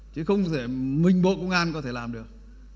chứ không thể mình bộ công an có thể làm được